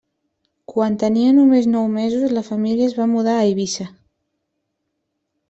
Quan tenia només nou mesos, la família es va mudar a Eivissa.